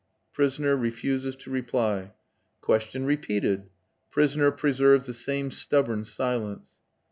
Prisoner refuses to reply. "Question repeated. Prisoner preserves the same stubborn silence.